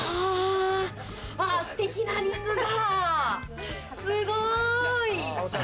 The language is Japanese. すてきなリングが。